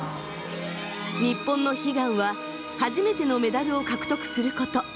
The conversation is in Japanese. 日本の悲願は初めてのメダルを獲得すること。